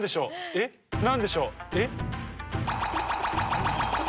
えっ何でしょう？